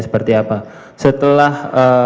seperti apa setelah